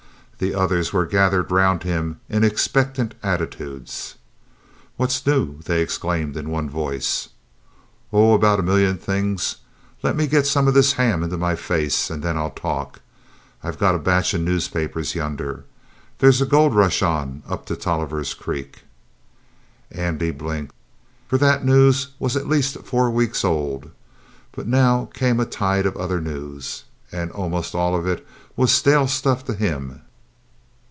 The others were gathered around him in expectant attitudes. "What's new?" they exclaimed in one voice. "Oh, about a million things. Let me get some of this ham into my face, and then I'll talk. I've got a batch of newspapers yonder. There's a gold rush on up to Tolliver's Creek." Andy blinked, for that news was at least four weeks old. But now came a tide of other news, and almost all of it was stale stuff to him.